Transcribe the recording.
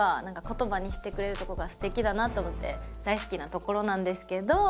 言葉にしてくれるとこがすてきだなと思って大好きなところなんですけど。